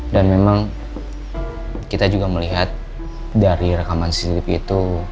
dan memang kita juga melihat dari rekaman sidik itu